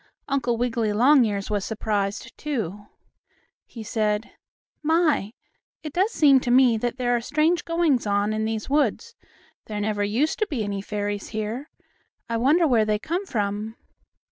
Uncle Wiggily Longears was surprised, too. He said: "My, it does seem to me that there are strange goings on in these woods. There never used to be any fairies here. I wonder where they come from?"